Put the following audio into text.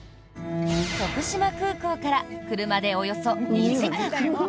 徳島空港から車でおよそ２時間。